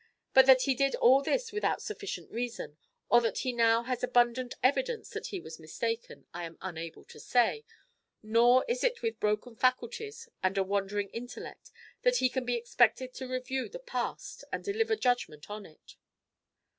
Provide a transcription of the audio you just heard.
But that he did all this without sufficient reason, or that he now has abundant evidence that he was mistaken, I am unable to say, nor is it with broken faculties and a wandering intellect that he can be expected to review the past and deliver judgment on it."